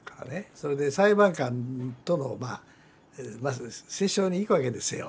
それで裁判官との折衝に行くわけですよ時々。